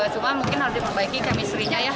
cuma mungkin harus membaiki kemisrinya ya